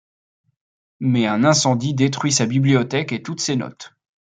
Mais un incendie détruit sa bibliothèque et toutes ses notes.